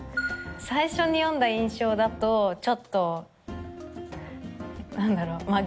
最初に読んだ印象だとちょっと何だろうまあ